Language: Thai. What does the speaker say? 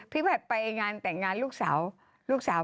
พี่ภัทรไปงานแต่งงานลูกสาว